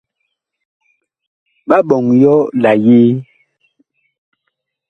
Ɓa ɓɔŋ yɔ la yee ?